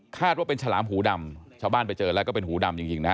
คาดว่าเป็นชาวบ้านไปเจอแล้วก็เป็นชาวหูดำจริงนะ